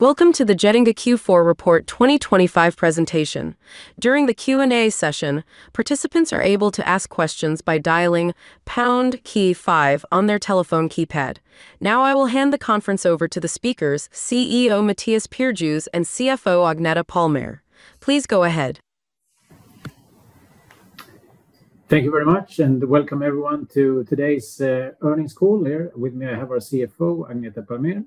Welcome to the Getinge Q4 report 2025 presentation. During the Q&A session, participants are able to ask questions by dialing pound key five on their telephone keypad. Now, I will hand the conference over to the speakers, CEO Mattias Perjos, and CFO Agneta Palmér. Please go ahead. Thank you very much and welcome everyone to today's earnings call. Here with me, I have our CFO, Agneta Palmér.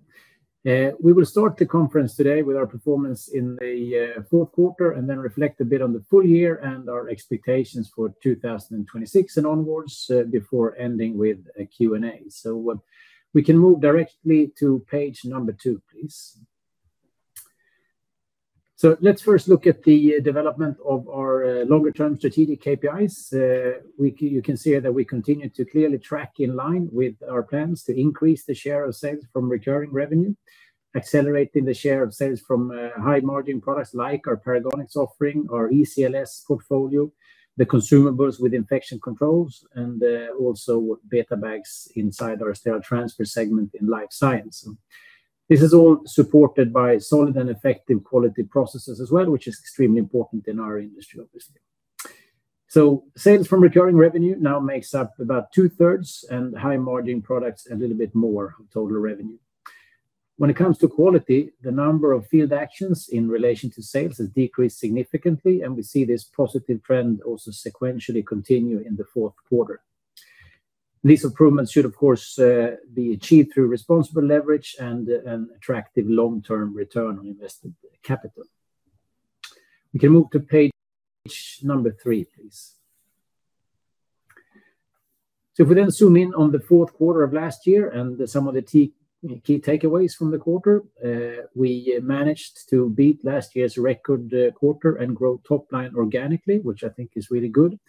We will start the conference today with our performance in the fourth quarter, and then reflect a bit on the full year and our expectations for 2026 and onwards, before ending with a Q&A. We can move directly to page number two, please. So let's first look at the development of our longer-term strategic KPIs. You can see that we continue to clearly track in line with our plans to increase the share of sales from recurring revenue, accelerating the share of sales from high-margin products like our Paragonix offering, our ECLS portfolio, the consumables with infection controls, and also BetaBags inside our sterile transfer segment in Life Science. This is all supported by solid and effective quality processes as well, which is extremely important in our industry, obviously. So sales from recurring revenue now makes up about 2/3, and high-margin products, a little bit more of total revenue. When it comes to quality, the number of field actions in relation to sales has decreased significantly, and we see this positive trend also sequentially continue in the fourth quarter. These improvements should, of course, be achieved through responsible leverage and, and attractive long-term return on invested capital. We can move to page number three, please. So if we then zoom in on the fourth quarter of last year and some of the key, key takeaways from the quarter, we managed to beat last year's record, quarter and grow top line organically, which I think is really good.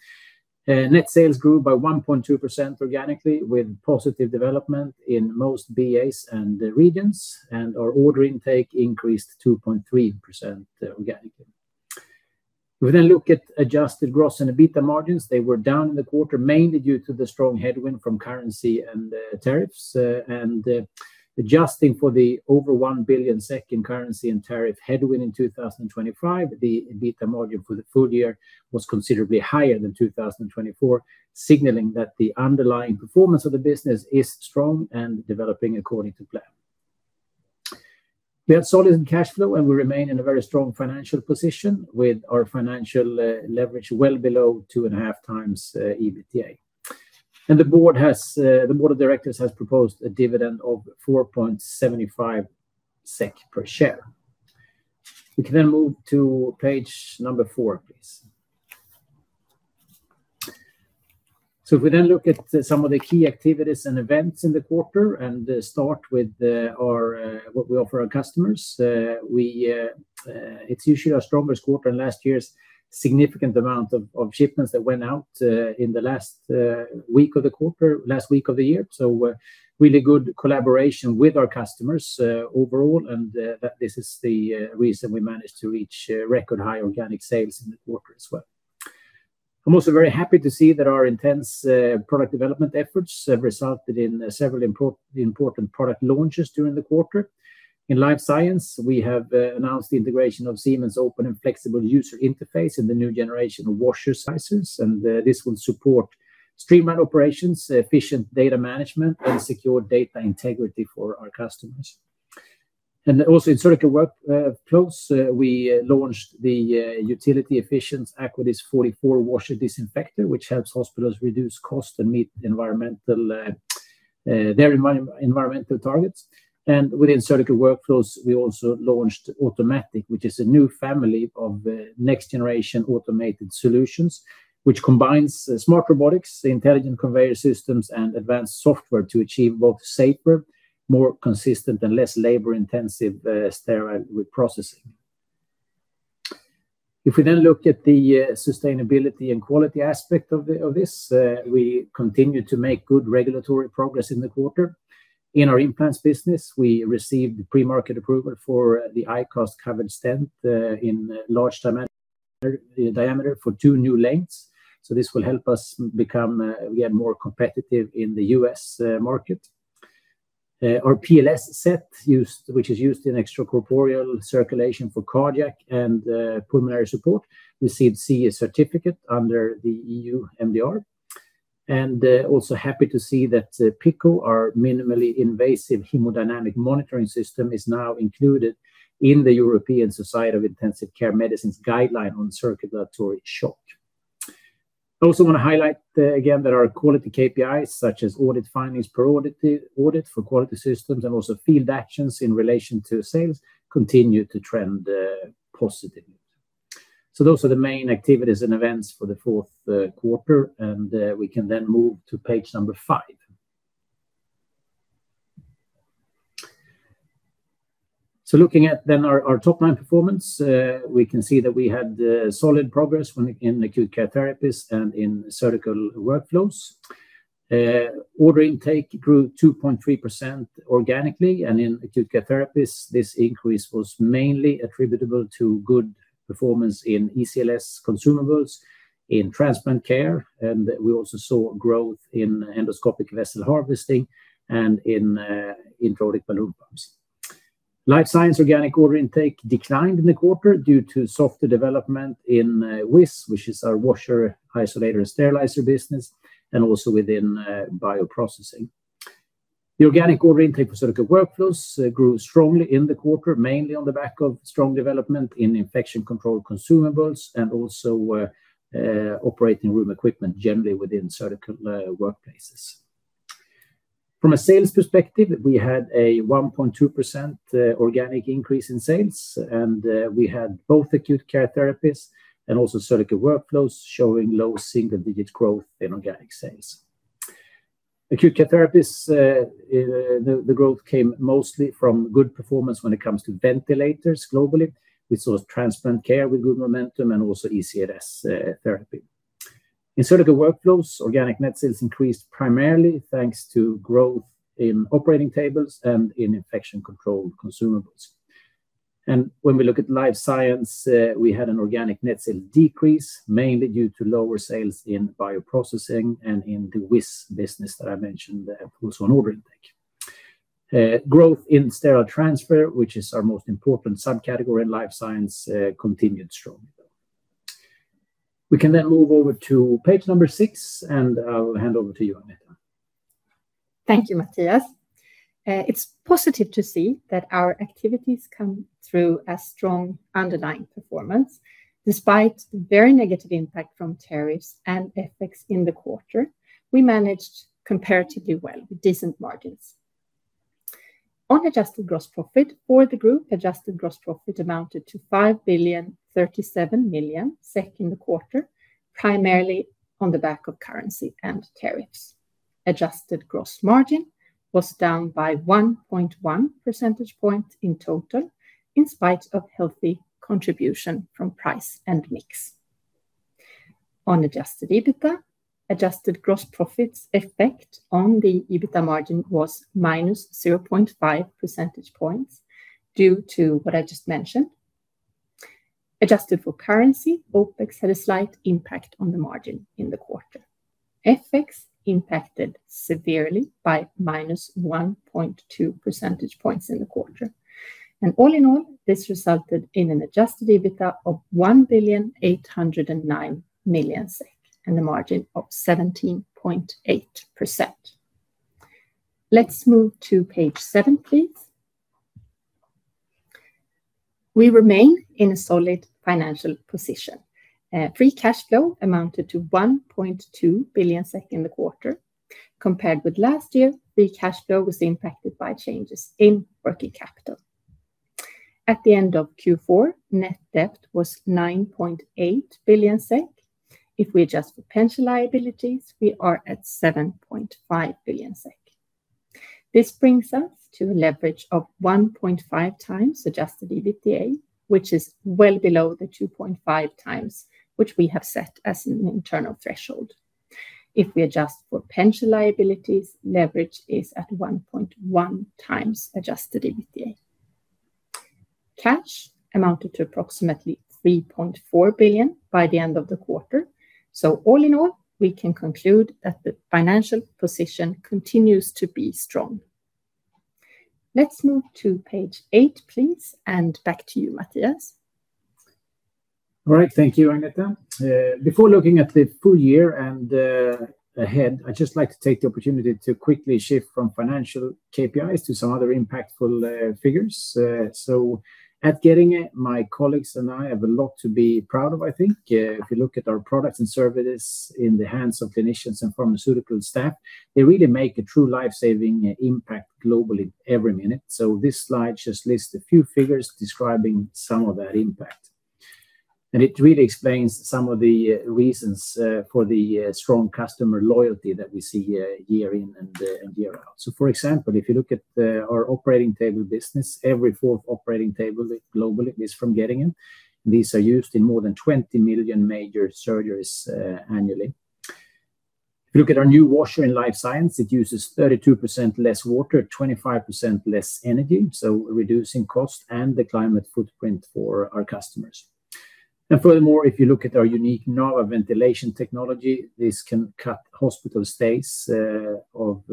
Net sales grew by 1.2% organically, with positive development in most BAs and regions, and our order intake increased 2.3% organically. We then look at adjusted gross and EBITDA margins. They were down in the quarter, mainly due to the strong headwind from currency and tariffs. And adjusting for the over 1 billion in currency and tariff headwind in 2025, the EBITDA margin for the full year was considerably higher than 2024, signaling that the underlying performance of the business is strong and developing according to plan. We had solid in cash flow, and we remain in a very strong financial position, with our financial leverage well below 2.5x EBITDA. The board of directors has proposed a dividend of 4.75 SEK per share. We can then move to page number four, please. So if we then look at some of the key activities and events in the quarter and start with our what we offer our customers, we it's usually our strongest quarter and last year's significant amount of shipments that went out in the last week of the quarter, last week of the year. So really good collaboration with our customers overall, and that this is the reason we managed to reach record high organic sales in the quarter as well. I'm also very happy to see that our intense product development efforts have resulted in several important product launches during the quarter. In Life Science, we have announced the integration of Siemens open and flexible user interface in the new generation of washer-disinfectors, and this will support streamlined operations, efficient data management, and secure data integrity for our customers. And also in Surgical Workflows, we launched the utility-efficient Aquadis 56 washer disinfector, which helps hospitals reduce cost and meet their environmental targets. And Surgical Workflows, we also launched Automatiq, which is a new family of next-generation automated solutions, which combines smart robotics, intelligent conveyor systems, and advanced software to achieve both safer, more consistent, and less labor-intensive sterile reprocessing. If we then look at the sustainability and quality aspect of this, we continue to make good regulatory progress in the quarter. In our implants business, we received pre-market approval for the iCast covered stent in large diameter for two new lengths, so this will help us become again more competitive in the U.S. market. Our PLS set, which is used in extracorporeal circulation for cardiac and pulmonary support, received CE Certificate under the EU MDR. Also happy to see that PiCCO, our minimally invasive hemodynamic monitoring system, is now included in the European Society of Intensive Care Medicine's guideline on circulatory shock. I also want to highlight again that our quality KPIs, such as audit findings per audit for quality systems, and also field actions in relation to sales, continue to trend positively. So those are the main activities and events for the fourth quarter, and we can then move to page number five. Looking at our top-line performance, we can see that we had solid progress in Acute Care Therapies and in Surgical Workflows. Order intake grew 2.3% organically, and in Acute Care Therapies, this increase was mainly attributable to good performance in ECLS consumables, in transplant care, and we also saw growth in endoscopic vessel harvesting and in intra-aortic balloon pumps. Life Science organic order intake declined in the quarter due to softer development in WIS, which is our washer, isolator, and sterilizer business, and also within bioprocessing. The organic order intake for Surgical Workflows grew strongly in the quarter, mainly on the back of strong development in infection control consumables, and also operating room equipment, generally within Surgical Workflows. From a sales perspective, we had a 1.2% organic increase in sales, and we had both Acute Care Therapies and also Surgical Workflows showing low single-digit growth in organic sales. Acute Care Therapies, the growth came mostly from good performance when it comes to ventilators globally. We saw transplant care with good momentum and also ECLS therapy. In Surgical Workflows, organic net sales increased primarily thanks to growth in operating tables and in infection control consumables. And when we at Life Science, we had an organic net sales decrease, mainly due to lower sales in bioprocessing and in the WIS business that I mentioned, also on order intake. Growth in sterile transfer, which is our most important subcategory in Life Science, continued strongly, though. We can then move over to page number six, and I will hand over to you, Agneta. Thank you, Mattias. It's positive to see that our activities come through a strong underlying performance. Despite the very negative impact from tariffs and FX in the quarter, we managed comparatively well with decent margins. On adjusted gross profit for the group, adjusted gross profit amounted to 5.037 billion in the quarter, primarily on the back of currency and tariffs. Adjusted gross margin was down by 1.1 percentage points in total, in spite of healthy contribution from price and mix. On adjusted EBITDA, adjusted gross profit's effect on the EBITDA margin was -0.5 percentage points due to what I just mentioned. Adjusted for currency, OpEx had a slight impact on the margin in the quarter. FX impacted severely by -1.2 percentage points in the quarter. All in all, this resulted in an adjusted EBITDA of 1.809 billion, and a margin of 17.8%. Let's move to page seven, please. We remain in a solid financial position. Free cash flow amounted to 1.2 billion SEK in the quarter. Compared with last year, free cash flow was impacted by changes in working capital. At the end of Q4, net debt was 9.8 billion SEK. If we adjust for pension liabilities, we are at 7.5 billion SEK. This brings us to a leverage of 1.5x adjusted EBITDA, which is well below the 2.5x, which we have set as an internal threshold. If we adjust for pension liabilities, leverage is at 1.1x adjusted EBITDA. Cash amounted to approximately 3.4 billion by the end of the quarter. So all in all, we can conclude that the financial position continues to be strong. Let's move to page eight, please, and back to you, Mattias. All right. Thank you, Agneta. Before looking at the full year and ahead, I'd just like to take the opportunity to quickly shift from financial KPIs to some other impactful figures. So at Getinge, my colleagues and I have a lot to be proud of, I think. If you look at our products and services in the hands of clinicians and pharmaceutical staff, they really make a true life-saving impact globally every minute. So this slide just lists a few figures describing some of that impact. And it really explains some of the reasons for the strong customer loyalty that we see year in and year out. So, for example, if you look at our operating table business, every fourth operating table globally is from Getinge. These are used in more than 20 million major surgeries annually. If you look at our new washer in Life Science, it uses 32% less water, 25% less energy, so reducing cost and the climate footprint for our customers. Furthermore, if you look at our unique NAVA ventilation technology, this can cut hospital stays of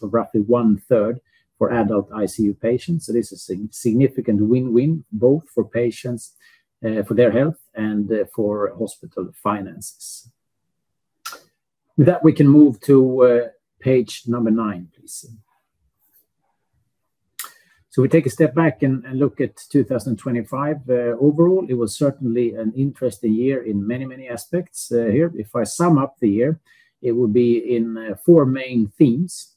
roughly one third for adult ICU patients. This is a significant win-win, both for patients, for their health and for hospital finances. With that, we can move to page nine, please. We take a step back and look at 2025. Overall, it was certainly an interesting year in many, many aspects here. If I sum up the year, it will be in four main themes.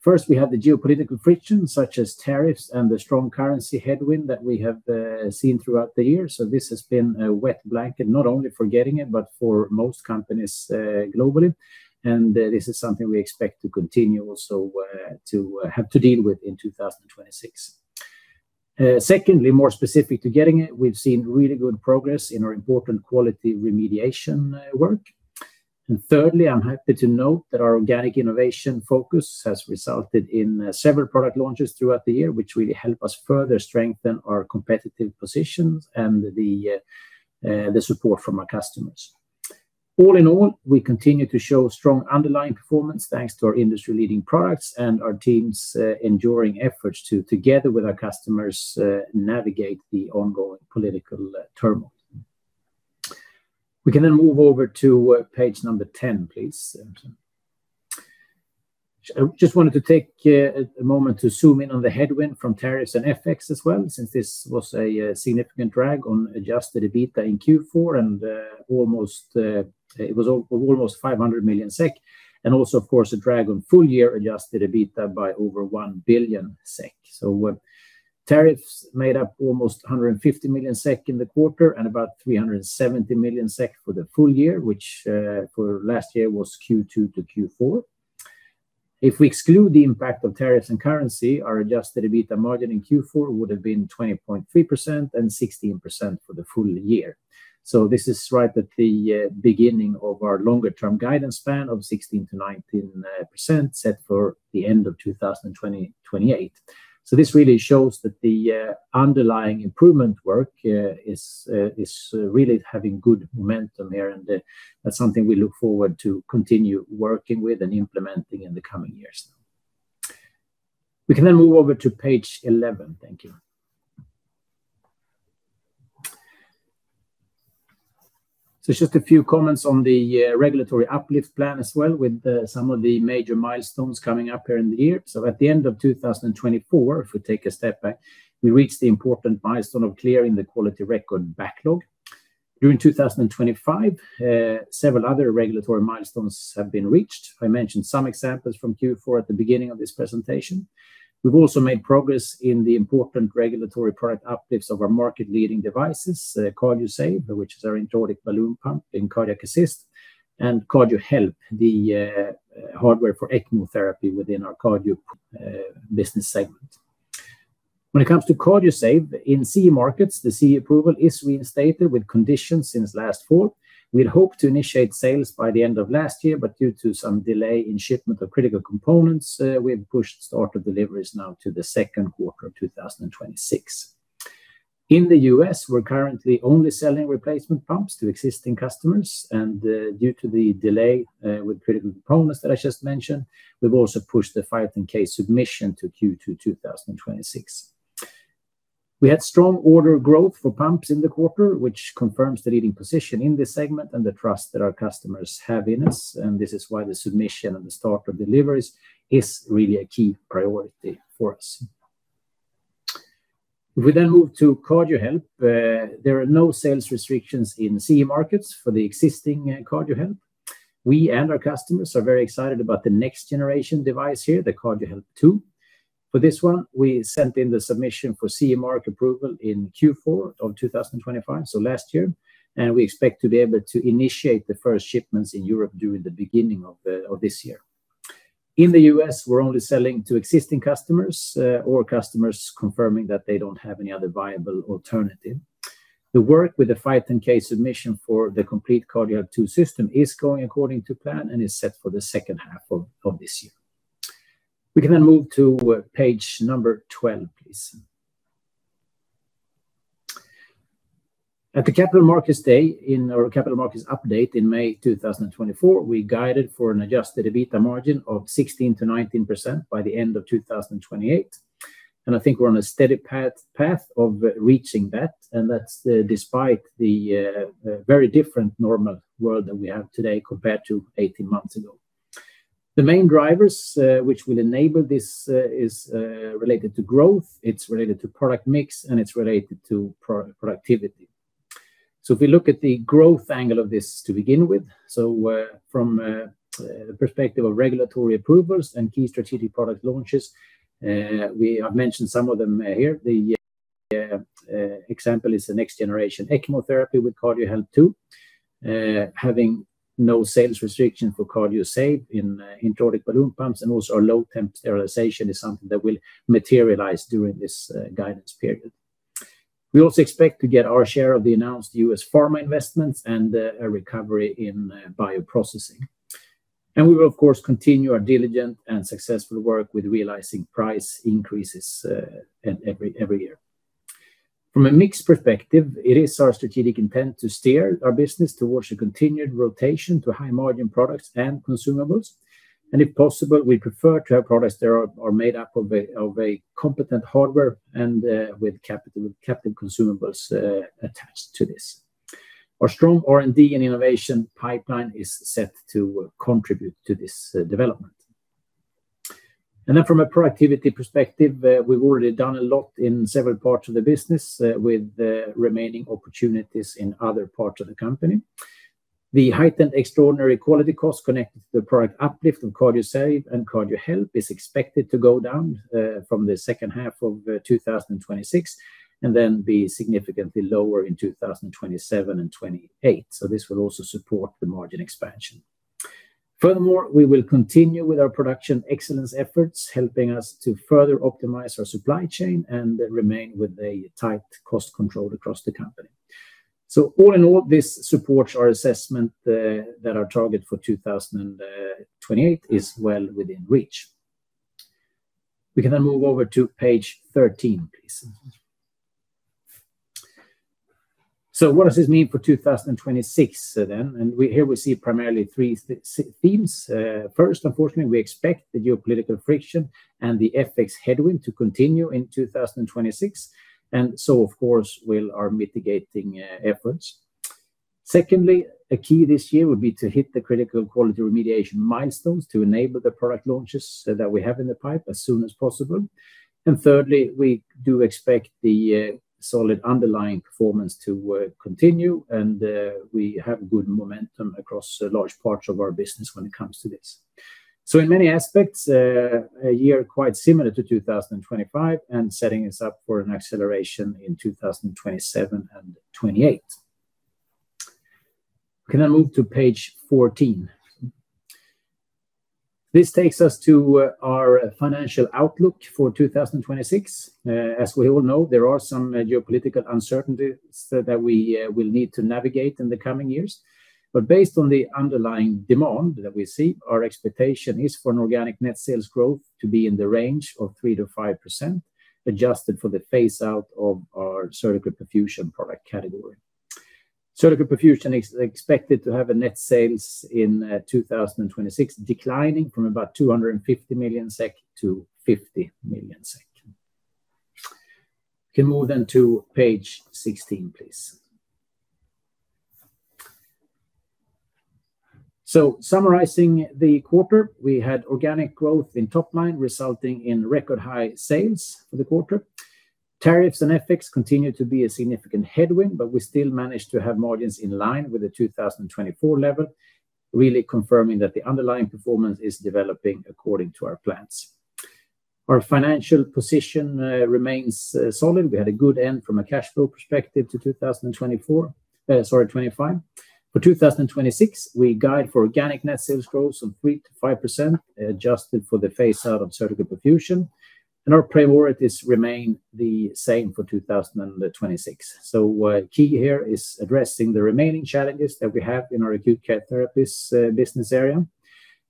First, we have the geopolitical friction, such as tariffs and the strong currency headwind that we have seen throughout the year. So this has been a wet blanket, not only for Getinge, but for most companies, globally. And this is something we expect to continue also to have to deal with in 2026. Secondly, more specific to Getinge, we've seen really good progress in our important quality remediation work. And thirdly, I'm happy to note that our organic innovation focus has resulted in several product launches throughout the year, which really help us further strengthen our competitive positions and the support from our customers. All in all, we continue to show strong underlying performance, thanks to our industry-leading products and our team's enduring efforts to, together with our customers, navigate the ongoing political turmoil. We can then move over to page number 10, please. I just wanted to take a moment to zoom in on the headwind from tariffs and FX as well, since this was a significant drag on adjusted EBITDA in Q4, and almost 500 million SEK, and also, of course, a drag on full-year adjusted EBITDA by over 1 billion SEK. So tariffs made up almost 150 million SEK in the quarter and about 370 million SEK for the full year, which, for last year was Q2 to Q4. If we exclude the impact of tariffs and currency, our adjusted EBITDA margin in Q4 would have been 20.3% and 16% for the full year. So this is right at the beginning of our longer-term guidance span of 16%-19%, set for the end of 2028. So this really shows that the underlying improvement work is really having good momentum here, and that's something we look forward to continue working with and implementing in the coming years now. We can then move over to page 11. Thank you. So just a few comments on the regulatory uplift plan as well, with some of the major milestones coming up here in the year. So at the end of 2024, if we take a step back, we reached the important milestone of clearing the quality record backlog. During 2025, several other regulatory milestones have been reached. I mentioned some examples from Q4 at the beginning of this presentation. We've also made progress in the important regulatory product uplifts of our market-leading devices, Cardiosave, which is our intra-aortic balloon pump in cardiac assist, and Cardiohelp, the hardware for ECMO therapy within our Cardio business segment. When it comes to Cardiosave, in CE markets, the CE approval is reinstated with conditions since last fall. We'd hoped to initiate sales by the end of last year, but due to some delay in shipment of critical components, we've pushed start of deliveries now to the second quarter of 2026. In the U.S., we're currently only selling replacement pumps to existing customers, and due to the delay with critical components that I just mentioned, we've also pushed the 510(k) submission to Q2 2026. We had strong order growth for pumps in the quarter, which confirms the leading position in this segment and the trust that our customers have in us, and this is why the submission and the start of deliveries is really a key priority for us. We then move to Cardiohelp. There are no sales restrictions in CE markets for the existing Cardiohelp. We and our customers are very excited about the next generation device here, the Cardiohelp II. For this one, we sent in the submission for CE mark approval in Q4 of 2025, so last year, and we expect to be able to initiate the first shipments in Europe during the beginning of this year. In the U.S., we're only selling to existing customers or customers confirming that they don't have any other viable alternative. The work with the 510(k) submission for the complete Cardiohelp II system is going according to plan and is set for the second half of this year. We can then move to page 12, please. At the Capital Markets Day—or Capital Markets Update—in May 2024, we guided for an adjusted EBITDA margin of 16%-19% by the end of 2028, and I think we're on a steady path of reaching that, and that's despite the very different normal world that we have today compared to 18 months ago. The main drivers which will enable this is related to growth, it's related to product mix, and it's related to productivity. So if we look at the growth angle of this to begin with, from the perspective of regulatory approvals and key strategic product launches, we've mentioned some of them here. The example is the next generation ECMO therapy with Cardiohelp II, having no sales restriction for Cardiosave in intra-aortic balloon pumps, and also our low-temp sterilization is something that will materialize during this guidance period. We also expect to get our share of the announced U.S. pharma investments and a recovery in bioprocessing. And we will, of course, continue our diligent and successful work with realizing price increases at every year. From a mix perspective, it is our strategic intent to steer our business towards a continued rotation to high-margin products and consumables, and if possible, we prefer to have products that are made up of a competent hardware and with capital-captive consumables attached to this. Our strong R&D and innovation pipeline is set to contribute to this development. Then from a productivity perspective, we've already done a lot in several parts of the business with the remaining opportunities in other parts of the company. The heightened extraordinary quality costs connected to the product uplift of Cardiosave and Cardiohelp is expected to go down from the second half of 2026 and then be significantly lower in 2027 and 2028. So this will also support the margin expansion. Furthermore, we will continue with our production excellence efforts, helping us to further optimize our supply chain and remain with a tight cost control across the company. So all in all, this supports our assessment that our target for 2028 is well within reach. We can then move over to page 13, please. So what does this mean for 2026 then? And here we see primarily three themes. First, unfortunately, we expect the geopolitical friction and the FX headwind to continue in 2026, and so, of course, will our mitigating efforts. Secondly, a key this year would be to hit the critical quality remediation milestones to enable the product launches that we have in the pipe as soon as possible. And thirdly, we do expect the solid underlying performance to continue, and we have good momentum across large parts of our business when it comes to this. So in many aspects, a year quite similar to 2025, and setting us up for an acceleration in 2027 and 2028. Can I move to page 14? This takes us to our financial outlook for 2026. As we all know, there are some geopolitical uncertainties that we will need to navigate in the coming years. But based on the underlying demand that we see, our expectation is for an organic net sales growth to be in the range of 3%-5%, adjusted for the phase-out of our Surgical Perfusion product category. Surgical Perfusion is expected to have net sales in 2026, declining from about 250 million SEK to 50 million SEK. We can move then to page 16, please. Summarizing the quarter, we had organic growth in top line, resulting in record high sales for the quarter. Tariffs and FX continue to be a significant headwind, but we still managed to have margins in line with the 2024 level, really confirming that the underlying performance is developing according to our plans. Our financial position remains solid. We had a good end from a cash flow perspective to 2024, 2025. For 2026, we guide for organic net sales growth from 3%-5%, adjusted for the phase out of Surgical Perfusion, and our priorities remain the same for 2026. So, key here is addressing the remaining challenges that we have in our Acute Care Therapies business area.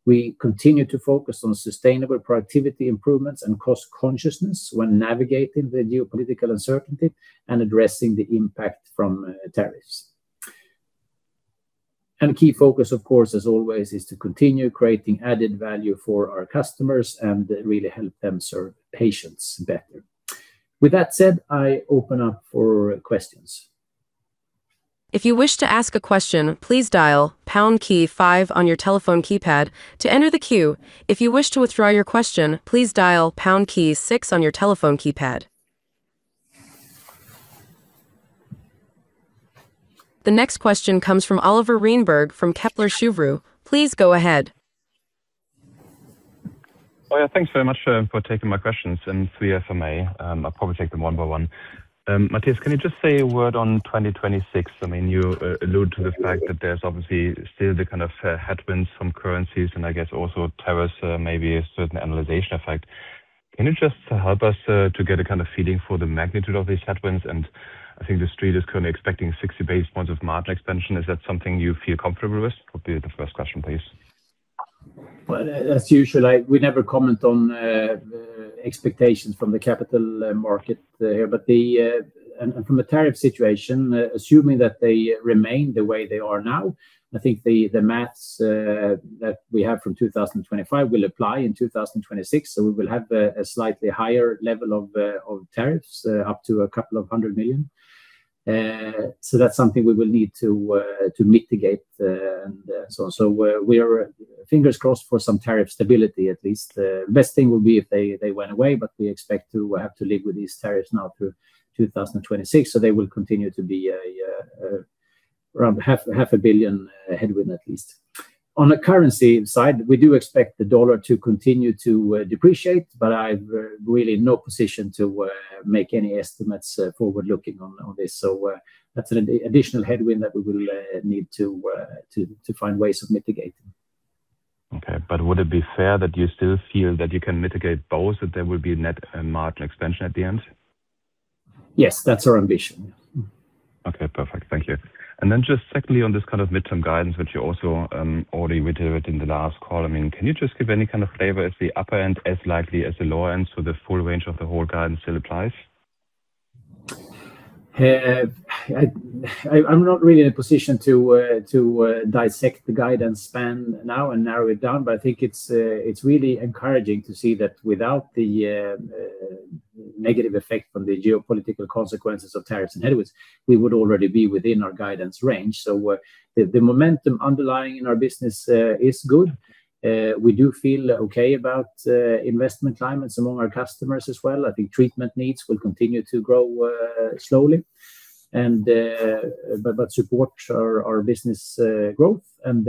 We continue to focus on sustainable productivity improvements and cost consciousness when navigating the geopolitical uncertainty and addressing the impact from tariffs. And a key focus, of course, as always, is to continue creating added value for our customers and really help them serve patients better. With that said, I open up for questions. If you wish to ask a question, please dial pound key five on your telephone keypad to enter the queue. If you wish to withdraw your question, please dial pound key six on your telephone keypad. The next question comes from Oliver Reinberg from Kepler Cheuvreux. Please go ahead. Oh, yeah, thanks very much, for taking my questions, and three from me. I'll probably take them one by one. Mattias, can you just say a word on 2026? I mean, you, allude to the fact that there's obviously still the kind of headwinds from currencies, and I guess also tariffs, maybe a certain annualization effect. Can you just help us, to get a kind of feeling for the magnitude of these headwinds? And I think the street is currently expecting 60 basis points of margin expansion. Is that something you feel comfortable with? Would be the first question, please. Well, as usual, we never comment on expectations from the capital market here. But from a tariff situation, assuming that they remain the way they are now, I think the math that we have from 2025 will apply in 2026, so we will have a slightly higher level of tariffs, up to 200 million. So that's something we will need to mitigate, and so we are fingers crossed for some tariff stability, at least. The best thing would be if they went away, but we expect to have to live with these tariffs now through 2026, so they will continue to be around 500 million headwind, at least. On the currency side, we do expect the U.S. dollar to continue to depreciate, but I've really no position to make any estimates forward-looking on this. So, that's an additional headwind that we will need to find ways of mitigating. Okay, but would it be fair that you still feel that you can mitigate both, that there will be net and margin expansion at the end? Yes, that's our ambition. Okay, perfect. Thank you. And then just secondly, on this kind of midterm guidance, which you also already reiterate in the last call, I mean, can you just give any kind of flavor? Is the upper end as likely as the lower end, so the full range of the whole guidance still applies? I'm not really in a position to dissect the guidance span now and narrow it down, but I think it's really encouraging to see that without the negative effect from the geopolitical consequences of tariffs and headwinds, we would already be within our guidance range. So, the momentum underlying in our business is good. We do feel okay about investment climates among our customers as well. I think treatment needs will continue to grow slowly and but support our business growth. And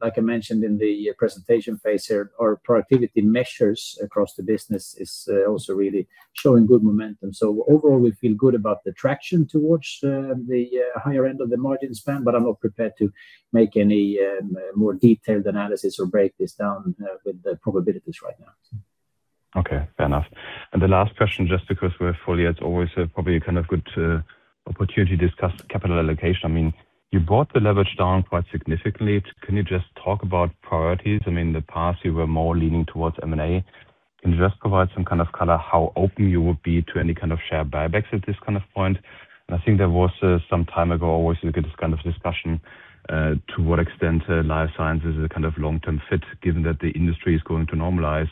like I mentioned in the presentation phase here, our productivity measures across the business is also really showing good momentum. So overall, we feel good about the traction towards the higher end of the margin span, but I'm not prepared to make any more detailed analysis or break this down with the probabilities right now. Okay, fair enough. And the last question, just because we're fully, it's always probably a kind of good opportunity to discuss capital allocation. I mean you brought the leverage down quite significantly. Can you just talk about priorities? I mean, in the past, you were more leaning towards M&A. Can you just provide some kind of color, how open you would be to any kind of share buybacks at this kind of point? And I think there was some time ago, always look at this kind of discussion, to what extent Life Sciences is a kind of long-term fit, given that the industry is going to normalize.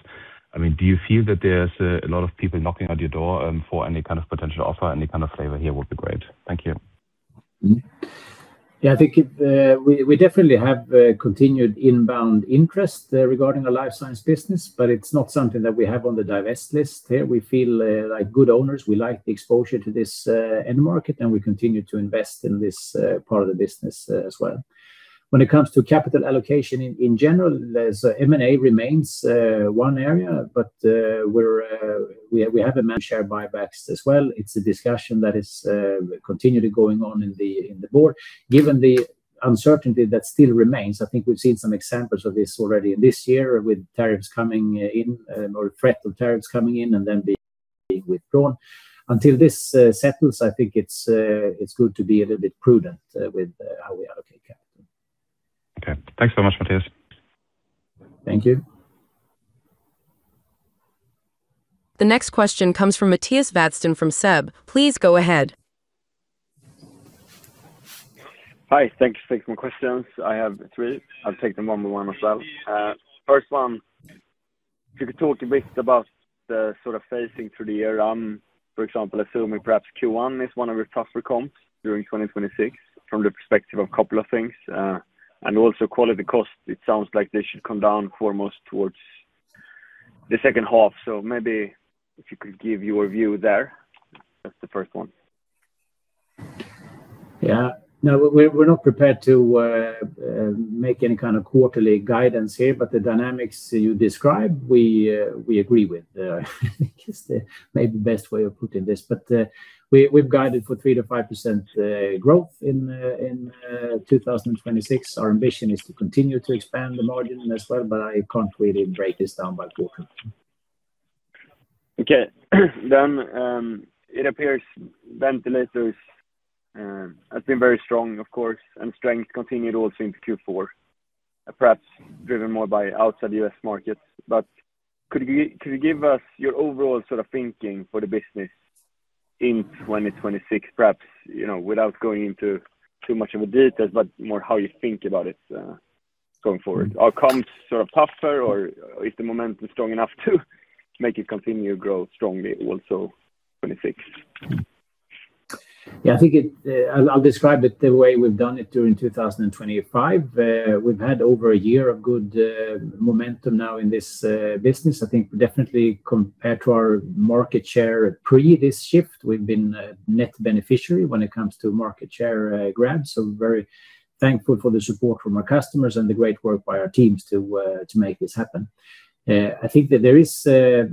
I mean, do you feel that there's a lot of people knocking on your door for any kind of potential offer? Any kind of flavor here would be great. Thank you. Mm-hmm. Yeah, I think we definitely have continued inbound interest regarding the Life Science business, but it's not something that we have on the divest list here. We feel like good owners. We like the exposure to this end market, and we continue to invest in this part of the business as well. When it comes to capital allocation in general, there's M&A remains one area, but we haven't mentioned share buybacks as well. It's a discussion that is continually going on in the board. Given the uncertainty that still remains, I think we've seen some examples of this already in this year with tariffs coming in, or threat of tariffs coming in and then being withdrawn. Until this settles, I think it's good to be a little bit prudent with how we allocate capital. Okay. Thanks so much, Mattias. Thank you. The next question comes from Mattias Vadsten from SEB. Please go ahead. Hi, thank you for taking my questions. I have three. I'll take them one by one myself. First one, if you could talk a bit about the sort of phasing through the year. For example, assuming perhaps Q1 is one of your tougher comps during 2026, from the perspective of a couple of things, and also quality costs, it sounds like they should come down foremost towards the second half. So maybe if you could give your view there. That's the first one. Yeah. No, we're not prepared to make any kind of quarterly guidance here, but the dynamics you describe, we agree with. I think it's the maybe best way of putting this, but we've guided for 3%-5% growth in 2026. Our ambition is to continue to expand the margin as well, but I can't really break this down by quarter. Okay. Then, it appears ventilators have been very strong, of course, and strength continued also into Q4, perhaps driven more by outside the U.S. markets. But could you give us your overall sort of thinking for the business in 2026? Perhaps, you know, without going into too much of a detail, but more how you think about it going forward. Are comps sort of tougher, or is the momentum strong enough to make it continue to grow strongly also 2026? Yeah, I think I'll describe it the way we've done it during 2025. We've had over a year of good momentum now in this business. I think definitely compared to our market share pre this shift, we've been a net beneficiary when it comes to market share grab. So we're very thankful for the support from our customers and the great work by our teams to make this happen. I think that there is a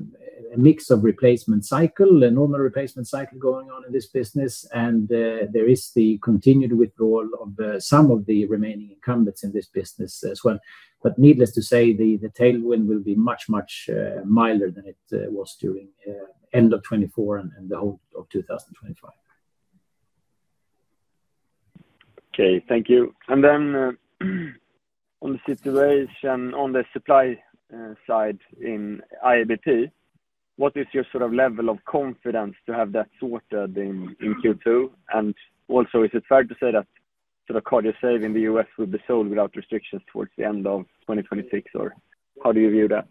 mix of replacement cycle, a normal replacement cycle going on in this business, and there is the continued withdrawal of some of the remaining incumbents in this business as well. But needless to say, the tailwind will be much, much milder than it was during end of 2024 and the whole of 2025. Okay, thank you. Then, on the situation, on the supply side in IABP, what is your sort of level of confidence to have that sorted in Q2? And also, is it fair to say that sort of Cardiosave in the U.S. will be sold without restrictions towards the end of 2026, or how do you view that?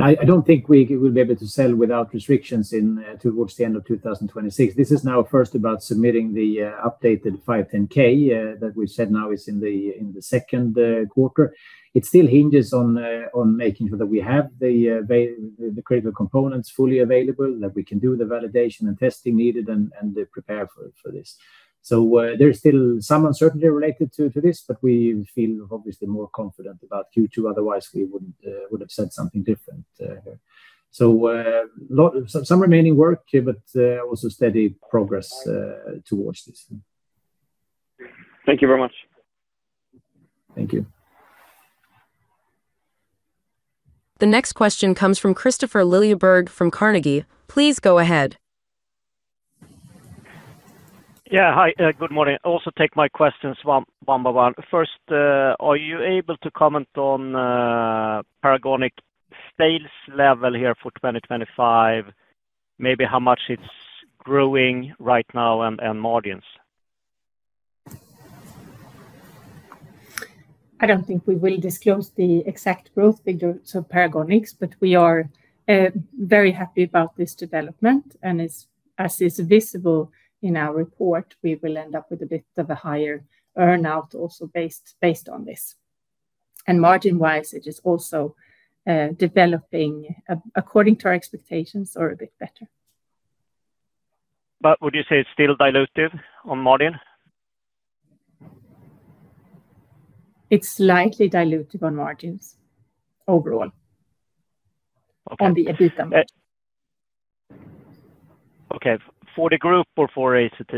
I don't think we will be able to sell without restrictions in towards the end of 2026. This is now first about submitting the updated 510(k) that we've said now is in the second quarter. It still hinges on making sure that we have the critical components fully available, that we can do the validation and testing needed and prepare for this. So, there's still some uncertainty related to this, but we feel obviously more confident about Q2, otherwise we wouldn't have said something different here. So, some remaining work here, but also steady progress towards this. Thank you very much. Thank you. The next question comes from Kristofer Liljeberg from Carnegie. Please go ahead. Yeah, hi. Good morning. Also, take my questions one by one. First, are you able to comment on Paragonix sales level here for 2025? Maybe how much it's growing right now and margins. I don't think we will disclose the exact growth figures of Paragonix, but we are very happy about this development. And as is visible in our report, we will end up with a bit of a higher earn-out also based on this. And margin-wise, it is also developing according to our expectations or a bit better. But would you say it's still dilutive on margin? It's slightly dilutive on margins overall. Okay. On the EBITDA. Okay. For the group or for ACT?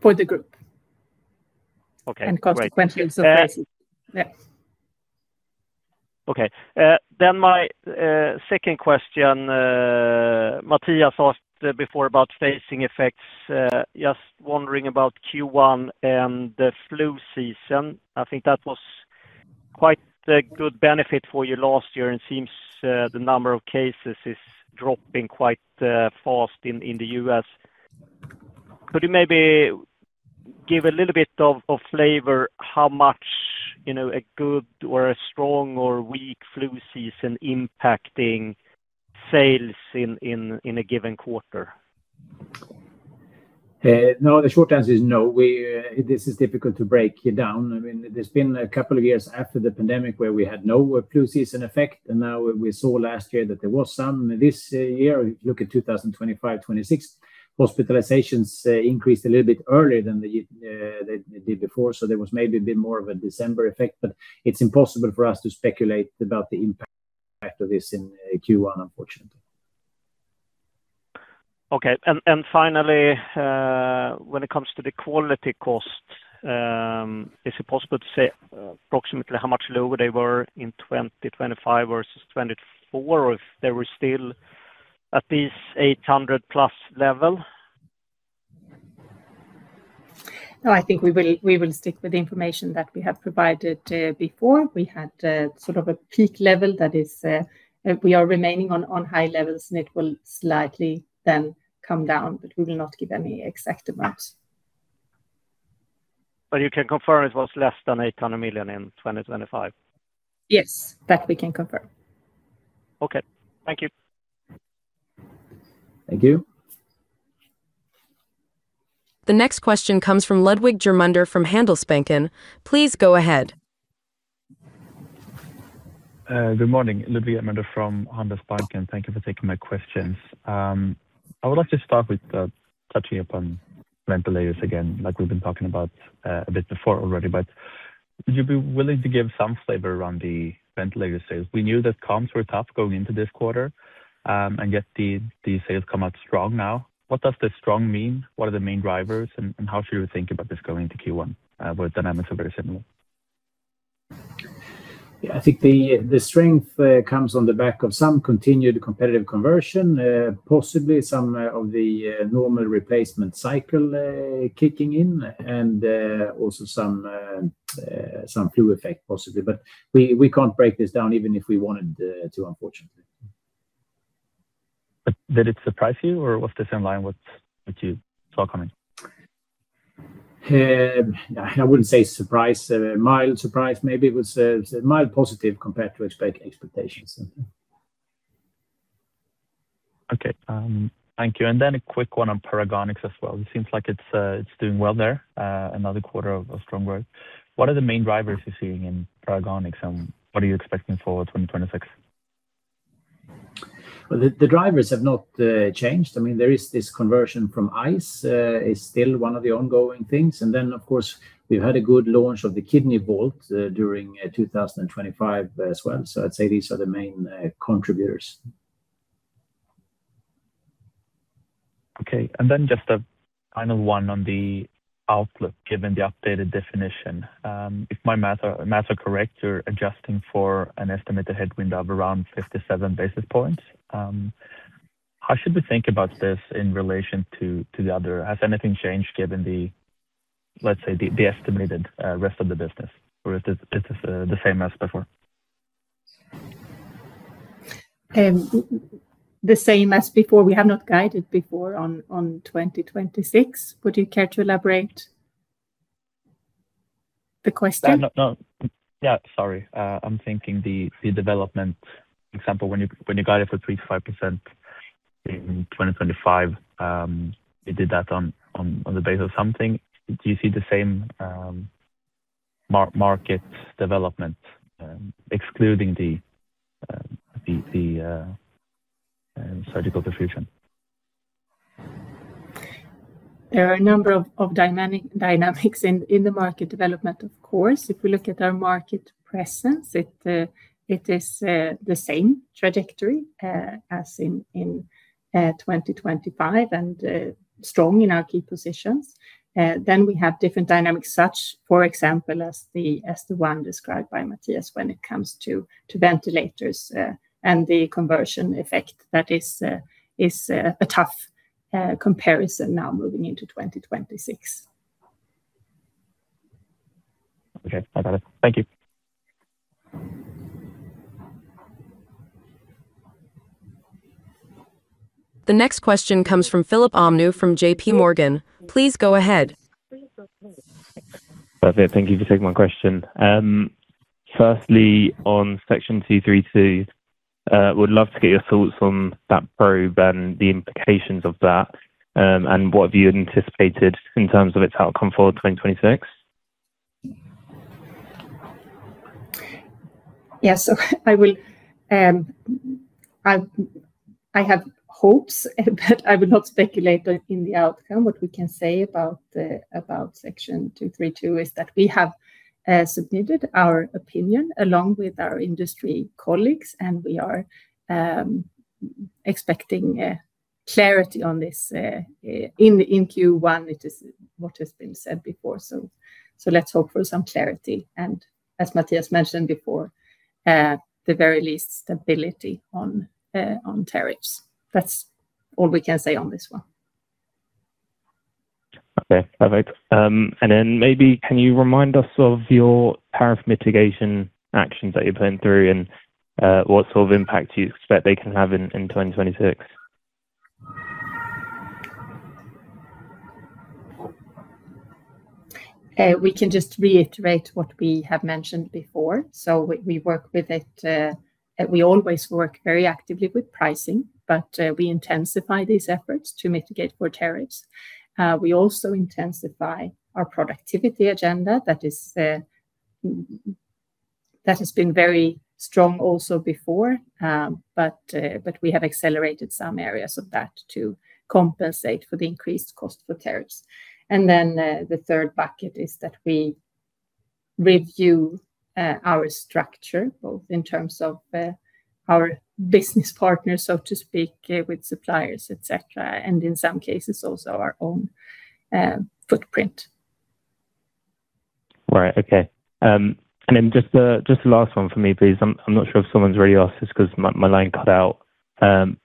For the group. Okay, great. Consequently, also, yes. Okay, then my second question, Matthias asked before about phasing effects. Just wondering about Q1 and the flu season. I think that was quite a good benefit for you last year, and seems the number of cases is dropping quite fast in the U.S. Could you maybe give a little bit of flavor, how much, you know, a good or a strong or weak flu season impacting sales in a given quarter? No, the short answer is no. We, this is difficult to break it down. I mean, there's been a couple of years after the pandemic where we had no flu season effect, and now we saw last year that there was some. This year, if you look at 2025, 2026, hospitalizations increased a little bit earlier than they did before, so there was maybe a bit more of a December effect, but it's impossible for us to speculate about the impact of this in Q1, unfortunately. Okay. And finally, when it comes to the quality cost, is it possible to say approximately how much lower they were in 2025 versus 2024, or if they were still at least 800 million+ level? No, I think we will, we will stick with the information that we have provided before. We had sort of a peak level that is, we are remaining on high levels, and it will slightly then come down, but we will not give any exact amount. But you can confirm it was less than 800 million in 2025? Yes, that we can confirm. Okay. Thank you. Thank you. The next question comes from Ludwig Germunder from Handelsbanken. Please go ahead. Good morning, Ludwig Germunder from Handelsbanken. Thank you for taking my questions. I would like to start with touching upon ventilators again, like we've been talking about a bit before already. But would you be willing to give some flavor around the ventilator sales? We knew that comms were tough going into this quarter, and yet the sales come out strong now. What does the strong mean? What are the main drivers, and how should we think about this going into Q1, where the dynamics are very similar? Yeah, I think the strength comes on the back of some continued competitive conversion, possibly some of the normal replacement cycle kicking in, and also some flu effect, possibly. But we can't break this down even if we wanted to, unfortunately. But did it surprise you, or was this in line with what you saw coming? I wouldn't say surprise. A mild surprise, maybe it was a mild positive compared to expectations. Okay, thank you. And then a quick one on Paragonix as well. It seems like it's doing well there, another quarter of strong growth. What are the main drivers you're seeing in Paragonix, and what are you expecting for 2026? Well, the drivers have not changed. I mean, there is this conversion from ice is still one of the ongoing things. And then, of course, we've had a good launch of the KidneyVault during 2025 as well. So I'd say these are the main contributors. Okay, and then just a final one on the outlook, given the updated definition. If my maths are correct, you're adjusting for an estimated headwind of around 57 basis points. How should we think about this in relation to the other? Has anything changed given the, let's say, estimated rest of the business, or is this the same as before? The same as before. We have not guided before on 2026. Would you care to elaborate the question? No, no. Yeah, sorry. I'm thinking the development example, when you, when you guide it for 3%-5% in 2025, you did that on the base of something. Do you see the same market development, excluding the surgical perfusion? There are a number of dynamics in the market development, of course. If we look at our market presence, it is the same trajectory as in 2025, and strong in our key positions. Then we have different dynamics, such, for example, as the one described by Mattias when it comes to ventilators, and the conversion effect that is a tough comparison now moving into 2026. Okay, I got it. Thank you. The next question comes from Philip Omnou from JPMorgan. Please go ahead. Perfect. Thank you for taking my question. Firstly, on Section 232, would love to get your thoughts on that probe and the implications of that, and what have you anticipated in terms of its outcome for 2026? Yes. So I will, I, I have hopes, but I will not speculate on in the outcome. What we can say about the, about Section 232 is that we have submitted our opinion along with our industry colleagues, and we are expecting clarity on this in, in Q1, it is what has been said before. So, so let's hope for some clarity, and as Mattias mentioned before, the very least, stability on, on tariffs. That's all we can say on this one. Okay, perfect. And then maybe can you remind us of your tariff mitigation actions that you're putting through, and what sort of impact do you expect they can have in 2026? We can just reiterate what we have mentioned before. So we work with it. We always work very actively with pricing, but we intensify these efforts to mitigate for tariffs. We also intensify our productivity agenda that has been very strong also before. But we have accelerated some areas of that to compensate for the increased cost for tariffs. And then, the third bucket is that we review our structure, both in terms of our business partners, so to speak, with suppliers, et cetera, and in some cases, also our own footprint. Right. Okay. And then just, just the last one for me, please. I'm not sure if someone's already asked this 'cause my line cut out.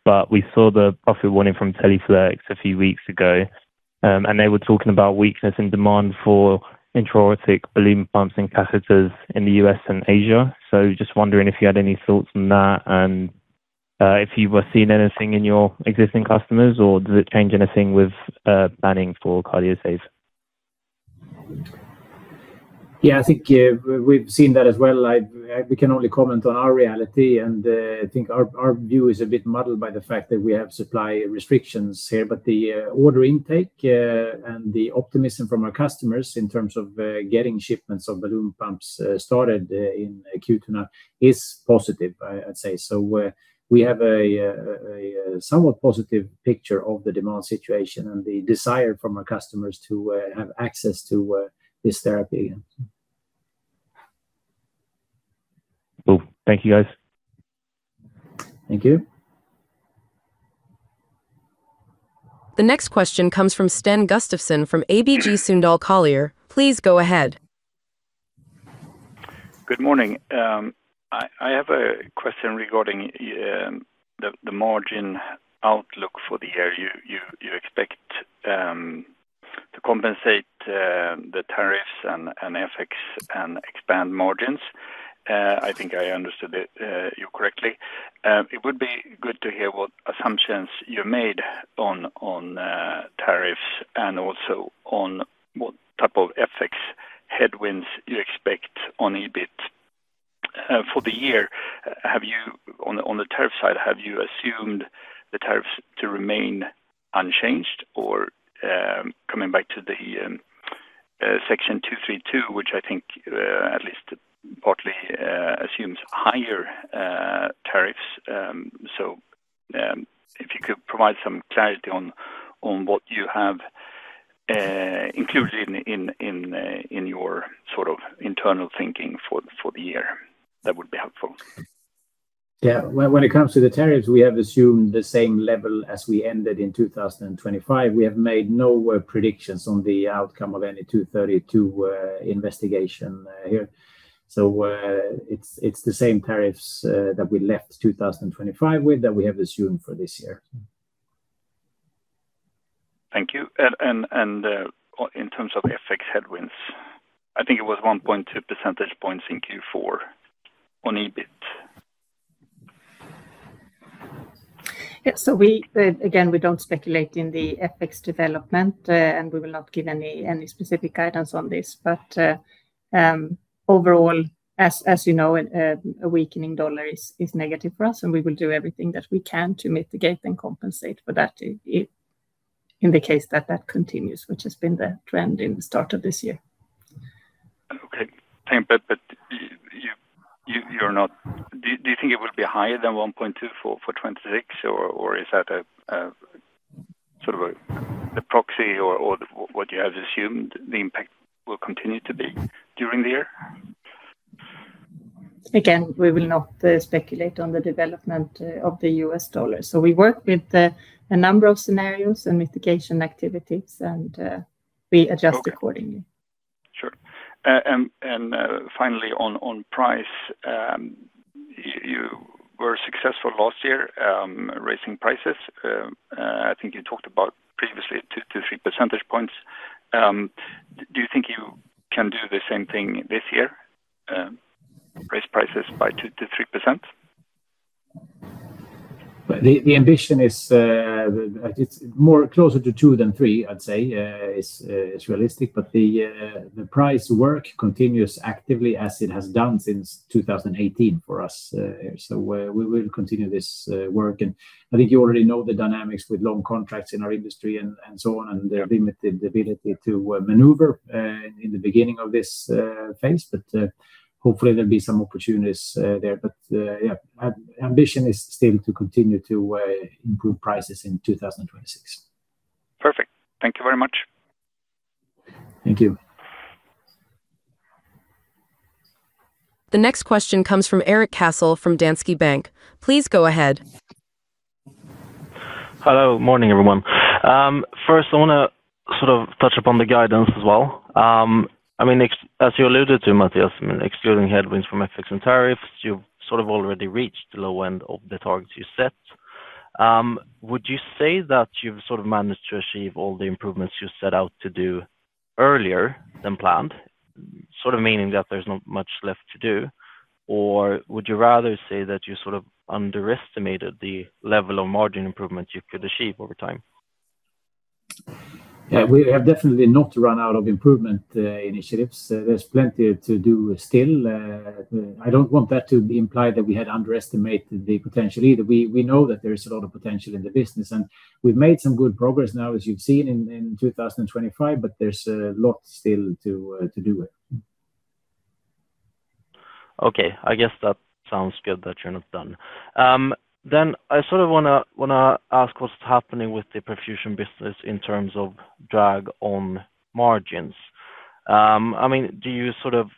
But we saw the profit warning from Teleflex a few weeks ago, and they were talking about weakness in demand for intra-aortic balloon pumps and catheters in the U.S. and Asia. So just wondering if you had any thoughts on that, and if you were seeing anything in your existing customers, or does it change anything with planning for Cardiosave? Yeah, I think we've seen that as well. We can only comment on our reality, and I think our view is a bit muddled by the fact that we have supply restrictions here. But the order intake and the optimism from our customers in terms of getting shipments of balloon pumps started in Q2 now is positive, I'd say. So we have a somewhat positive picture of the demand situation and the desire from our customers to have access to this therapy. Cool. Thank you, guys. Thank you. The next question comes from Sten Gustafsson, from ABG Sundal Collier. Please go ahead. Good morning. I have a question regarding the margin outlook for the year. You expect to compensate the tariffs and FX and expand margins. I think I understood you correctly. It would be good to hear what assumptions you made on tariffs and also on what type of FX headwinds you expect on EBIT for the year. Have you, on the tariff side, assumed the tariffs to remain unchanged? Or coming back to the Section 232, which I think at least partly assumes higher tariffs. So if you could provide some clarity on what you have included in your sort of internal thinking for the year, that would be helpful. Yeah. When it comes to the tariffs, we have assumed the same level as we ended in 2025. We have made no predictions on the outcome of any 232 investigation here. So, it's the same tariffs that we left 2025 with, that we have assumed for this year. Thank you. In terms of FX headwinds, I think it was 1.2 percentage points in Q4 on EBIT. Yeah. So we, again, we don't speculate in the FX development, and we will not give any specific guidance on this. But, overall, as you know, a weakening dollar is negative for us, and we will do everything that we can to mitigate and compensate for that in the case that that continues, which has been the trend in the start of this year. Okay. But you're not. Do you think it would be higher than 1.2 for 2026, or is that a sort of a proxy or what you have assumed the impact will continue to be during the year? Again, we will not speculate on the development of the U.S. dollar. So we work with a number of scenarios and mitigation activities, and we adjust- Okay. Accordingly. Sure. And finally, on price, you were successful last year, raising prices. I think you talked about previously 2-3 percentage points. Do you think you can do the same thing this year, raise prices by 2%-3%? The ambition is, it's more closer to two than three, I'd say, is realistic. But the price work continues actively as it has done since 2018 for us. So we will continue this work. And I think you already know the dynamics with long contracts in our industry and so on, and the limited ability to maneuver in the beginning of this phase. But hopefully there'll be some opportunities there. But yeah, ambition is still to continue to improve prices in 2026. Perfect. Thank you very much. Thank you. The next question comes from Erik Cassel from Danske Bank. Please go ahead. Hello. Morning, everyone. First, I want to sort of touch upon the guidance as well. I mean, as you alluded to, Mattias, excluding headwinds from effects and tariffs, you've sort of already reached the low end of the targets you set. Would you say that you've sort of managed to achieve all the improvements you set out to do earlier than planned? Sort of meaning that there's not much left to do, or would you rather say that you sort of underestimated the level of margin improvement you could achieve over time? Yeah, we have definitely not run out of improvement initiatives. There's plenty to do still. I don't want that to imply that we had underestimated the potential either. We, we know that there's a lot of potential in the business, and we've made some good progress now, as you've seen in 2025, but there's a lot still to, to do with. Okay. I guess that sounds good that you're not done. Then I sort of wanna ask what's happening with the perfusion business in terms of drag on margins. I mean, do you sort of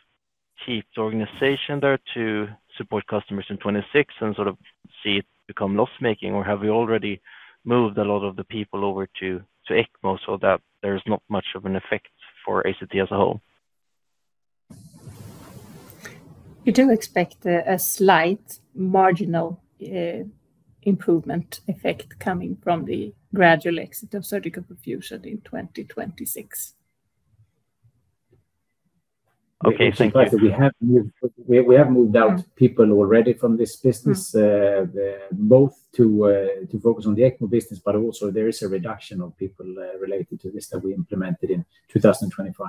keep the organization there to support customers in 2026 and sort of see it become loss-making, or have you already moved a lot of the people over to ECMO so that there's not much of an effect for ACT as a whole? We do expect a slight marginal improvement effect coming from the gradual exit of Surgical Perfusion in 2026. Okay, thank you. We have moved out people already from this business, both to focus on the ECMO business, but also there is a reduction of people related to this that we implemented in 2025.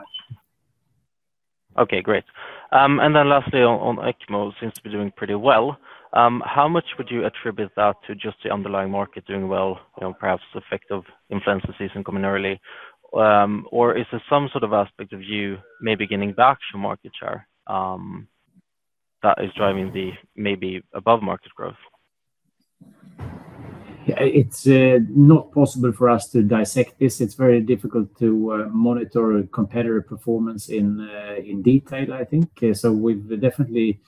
Okay, great. And then lastly, on ECMO, seems to be doing pretty well. How much would you attribute that to just the underlying market doing well, you know, perhaps the effect of influenza season coming early, or is there some sort of aspect of you maybe getting back to market share, that is driving the maybe above market growth? Yeah, it's not possible for us to dissect this. It's very difficult to monitor competitor performance in detail, I think. So we've definitely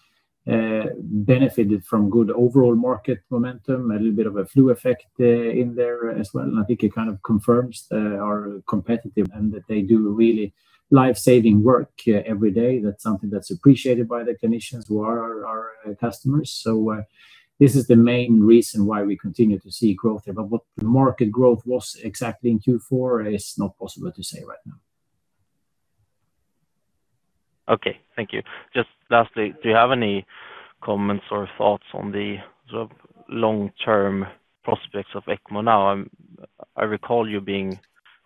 benefited from good overall market momentum, a little bit of a flu effect in there as well. I think it kind of confirms our competitive, and that they do really life-saving work every day. That's something that's appreciated by the clinicians who are our customers. So this is the main reason why we continue to see growth. But what the market growth was exactly in Q4 is not possible to say right now. Okay, thank you. Just lastly, do you have any comments or thoughts on the sort of long-term prospects of ECMO now? I recall you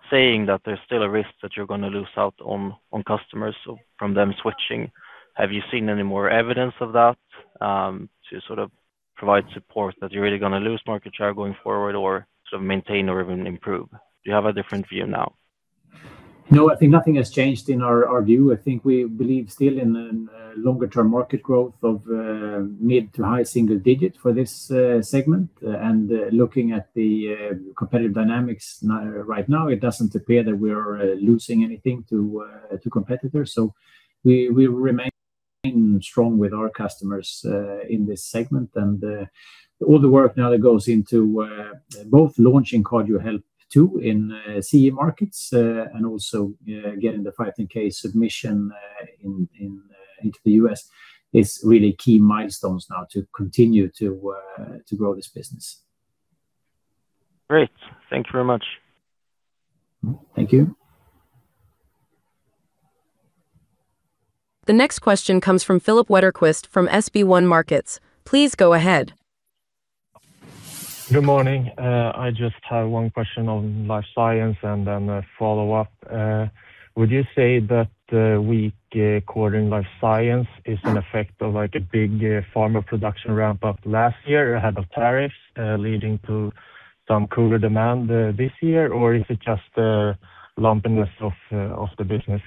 saying that there's still a risk that you're gonna lose out on, on customers, so from them switching. Have you seen any more evidence of that, to sort of provide support that you're really gonna lose market share going forward or sort of maintain or even improve? Do you have a different view now? No, I think nothing has changed in our, our view. I think we believe still in, in, longer term market growth of, mid- to high-single-digit for this, segment. And, looking at the, competitive dynamics right now, it doesn't appear that we're, losing anything to, to competitors. So we, we remain strong with our customers, in this segment. And, all the work now that goes into, both launching Cardiohelp II in, CE markets, and also, getting the 510(k) submission, in, in, into the US, is really key milestones now to continue to, to grow this business. Great. Thank you very much. Thank you. The next question comes from Filip Wetterqvist, from SB1 Markets. Please go ahead. Good morning. I just have one question on Life Science and then a follow-up. Would you say that weak quarter in Life Science is an effect of, like, a big pharma production ramp up last year ahead of tariffs, leading to some cooler demand this year? Or is it just lumpiness of the business?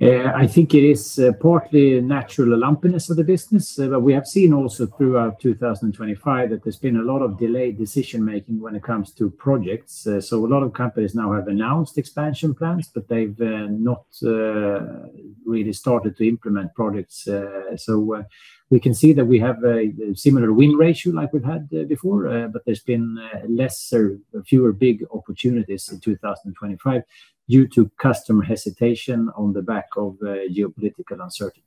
I think it is partly natural lumpiness of the business. But we have seen also throughout 2025, that there's been a lot of delayed decision-making when it comes to projects. So a lot of companies now have announced expansion plans, but they've not really started to implement projects. So we can see that we have a similar win ratio like we've had before, but there's been lesser or fewer big opportunities in 2025 due to customer hesitation on the back of geopolitical uncertainty.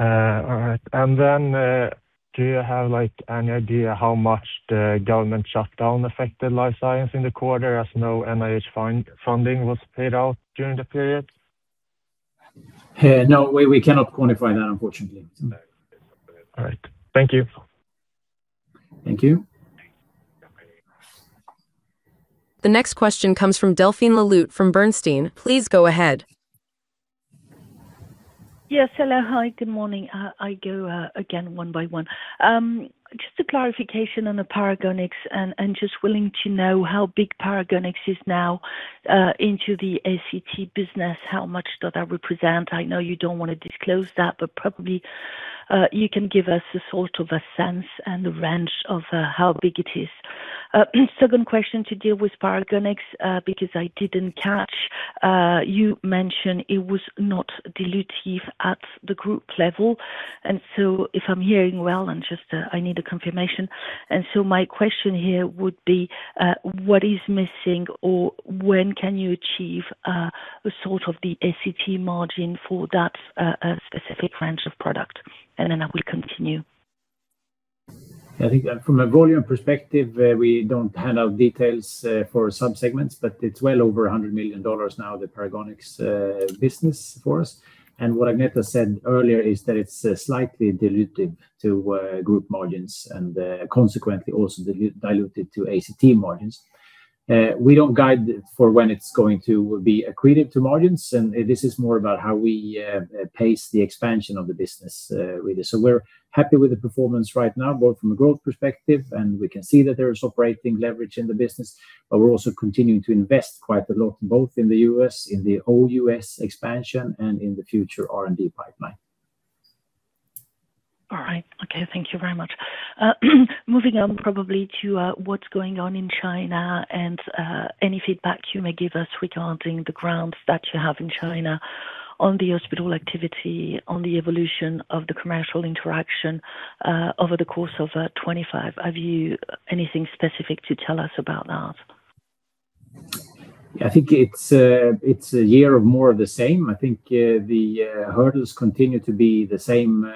All right. Do you have, like, any idea how much the government shutdown affected Life Science in the quarter, as no NIH funding was paid out during the period? No, we cannot quantify that, unfortunately. All right. Thank you. Thank you. The next question comes from Delphine Le Louët from Bernstein. Please go ahead. Yes, hello. Hi, good morning. I go again, one by one. Just a clarification on the Paragonix, and just willing to know how big Paragonix is now into the ACT business. How much does that represent? I know you don't want to disclose that, but probably you can give us a sort of a sense and a range of how big it is. Second question to deal with Paragonix, because I didn't catch, you mentioned it was not dilutive at the group level, and so if I'm hearing well, and just, I need a confirmation. And so my question here would be, what is missing or when can you achieve, sort of the ACT margin for that, specific range of product? And then I will continue. I think from a volume perspective, we don't hand out details for subsegments, but it's well over $100 million now, the Paragonix business for us. And what Agneta said earlier is that it's slightly dilutive to group margins, and consequently also dilutive to ACT margins. We don't guide for when it's going to be accretive to margins, and this is more about how we pace the expansion of the business, really. So we're happy with the performance right now, both from a growth perspective, and we can see that there is operating leverage in the business, but we're also continuing to invest quite a lot, both in the US, in the OUS expansion and in the future R&D pipeline. All right. Okay, thank you very much. Moving on probably to, what's going on in China and, any feedback you may give us regarding the growth that you have in China on the hospital activity, on the evolution of the commercial interaction, over the course of, 2025. Have you anything specific to tell us about that? I think it's a year of more of the same. I think the hurdles continue to be the same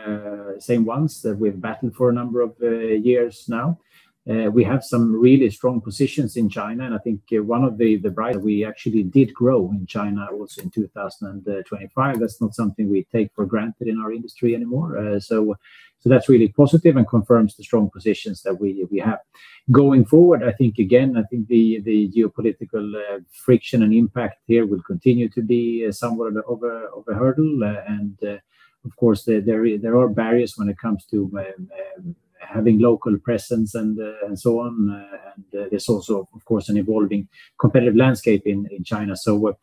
same ones that we've battled for a number of years now. We have some really strong positions in China, and I think one of the... We actually did grow in China also in 2025. That's not something we take for granted in our industry anymore. So so that's really positive and confirms the strong positions that we we have. Going forward, I think again I think the geopolitical friction and impact here will continue to be somewhat of a hurdle. And of course there there there are barriers when it comes to having local presence and so on. And there's also, of course, an evolving competitive landscape in China. So what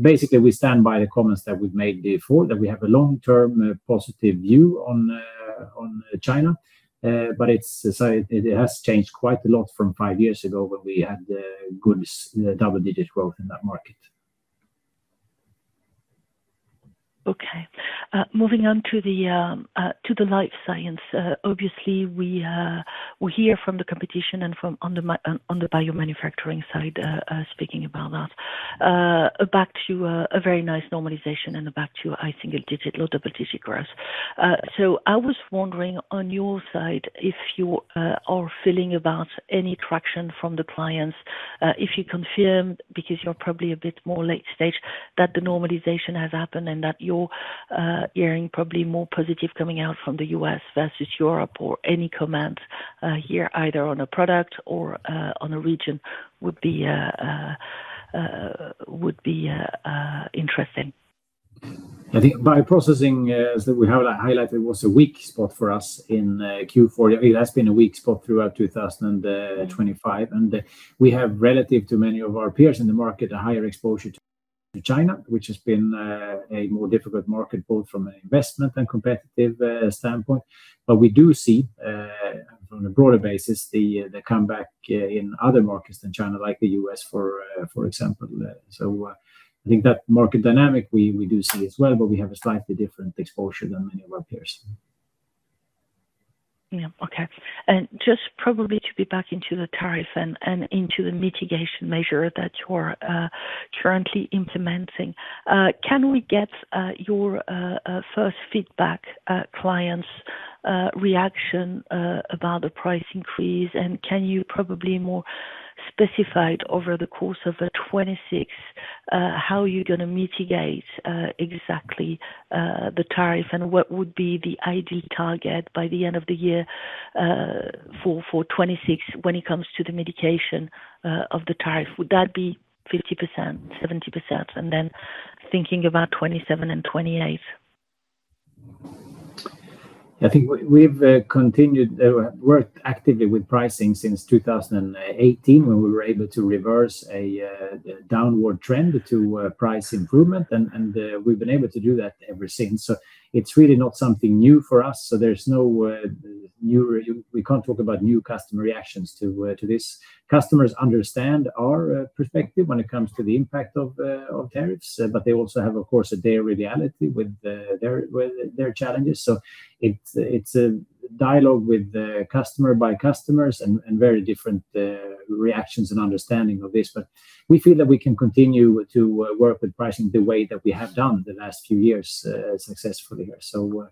basically, we stand by the comments that we've made before, that we have a long-term positive view on China, but it has changed quite a lot from five years ago when we had good double-digit growth in that market. Okay. Moving on to the Life Science. Obviously, we hear from the competition and from the biomanufacturing side, speaking about that. Back to a very nice normalization and back to, I think, single-digit, low double-digit growth. So I was wondering, on your side, if you are feeling about any traction from the clients, if you confirm, because you're probably a bit more late stage, that the normalization has happened and that you're hearing probably more positive coming out from the US versus Europe, or any comment here, either on a product or on a region would be interesting. I think bioprocessing, as we highlighted, was a weak spot for us in Q4. That's been a weak spot throughout 2025. We have, relative to many of our peers in the market, a higher exposure to China, which has been a more difficult market, both from an investment and competitive standpoint. We do see, from a broader basis, the comeback in other markets than China, like the U.S., for example. I think that market dynamic we do see as well, but we have a slightly different exposure than many of our peers. Yeah. Okay. And just probably to be back into the tariff and, and into the mitigation measure that you are, currently implementing. Can we get, your, first feedback, clients, reaction, about the price increase? And can you probably more specified over the course of 2026, how you're gonna mitigate, exactly, the tariff, and what would be the ideal target by the end of the year, for, for 2026 when it comes to the mitigation, of the tariff? Would that be 50%, 70%? And then thinking about 2027 and 2028. I think we've worked actively with pricing since 2018, when we were able to reverse a downward trend to price improvement, and we've been able to do that ever since. So it's really not something new for us, so there's no new... We can't talk about new customer reactions to this. Customers understand our perspective when it comes to the impact of tariffs, but they also have, of course, their reality with their challenges. So it's a dialogue with the customer by customers and very different reactions and understanding of this. But we feel that we can continue to work with pricing the way that we have done the last few years successfully here. So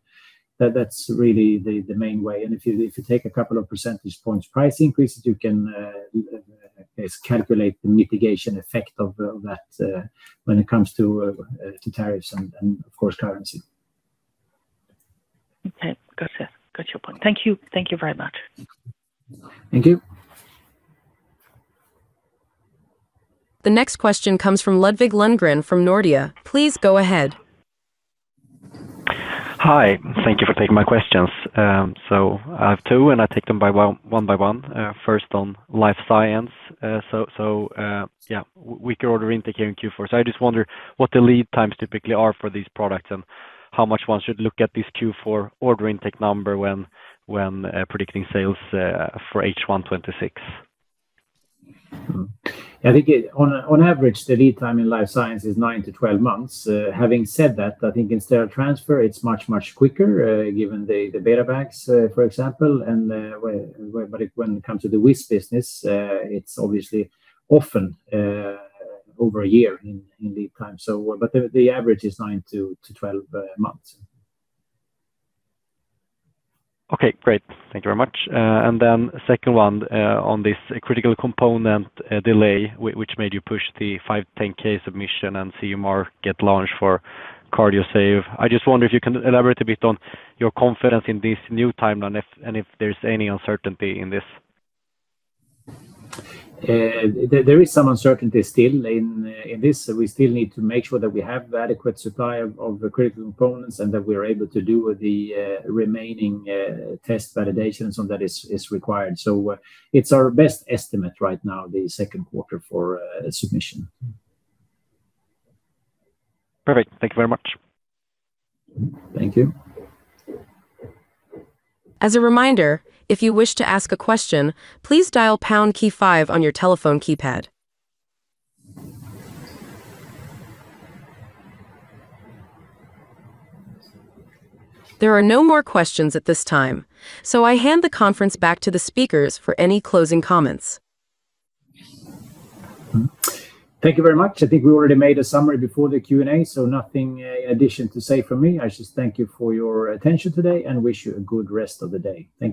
that's really the main way. And if you take a couple of percentage points price increases, you can, I guess, calculate the mitigation effect of that when it comes to tariffs and, of course, currency. Okay. Got it. Got your point. Thank you. Thank you very much. Thank you. The next question comes from Ludvig Lundgren from Nordea. Please go ahead. Hi, thank you for taking my questions. So I have two, and I'll take them one by one. First, on Life Science. So, yeah, we saw order intake in Q4. So I just wonder what the lead times typically are for these products and how much one should look at this Q4 order intake number when predicting sales for H1 2026. I think it. On average, the lead time in Life Science is 9-12 months. Having said that, I think in sterile transfer it's much, much quicker, given the BetaBags, for example. But when it comes to the wash business, it's obviously often over a year in lead time. But the average is 9-12 months. Okay, great. Thank you very much. And then second one, on this critical component delay which made you push the 510(k) submission and CE mark to get launched for Cardiosave. I just wonder if you can elaborate a bit on your confidence in this new timeline, and if there's any uncertainty in this. There is some uncertainty still in this. We still need to make sure that we have the adequate supply of the critical components and that we are able to do the remaining test validation on that is required. So, it's our best estimate right now, the second quarter for submission. Perfect. Thank you very much. Thank you. As a reminder, if you wish to ask a question, please dial pound key five on your telephone keypad. There are no more questions at this time, so I hand the conference back to the speakers for any closing comments. Thank you very much. I think we already made a summary before the Q&A, so nothing, addition to say from me. I just thank you for your attention today and wish you a good rest of the day. Thank you.